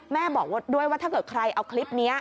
แม่บอกด้วยว่าถ้าเกิดใครเอาคลิปนี้